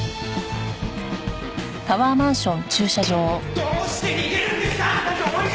どうして逃げるんですか！？